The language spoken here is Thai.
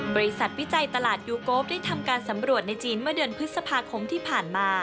วิจัยตลาดยูโกฟได้ทำการสำรวจในจีนเมื่อเดือนพฤษภาคมที่ผ่านมา